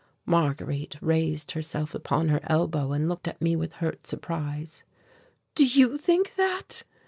Marguerite raised herself upon her elbow and looked at me with hurt surprise. "Do you think that?"